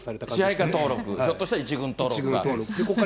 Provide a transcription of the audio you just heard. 支配下登録、ひょっとしたら１軍登録。